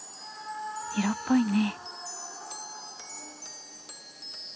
色っぽいね。